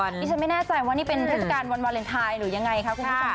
มีฉันไม่แน่ใจว่านี่เป็นเทศกรรณวันวาเลนไทยหรือยังไงครับ